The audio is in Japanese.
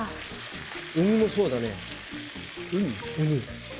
ウニもそうだね。